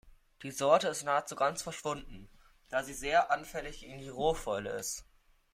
Die Sorte ist nahezu ganz verschwunden, da sie sehr anfällig gegen die Rohfäule ist.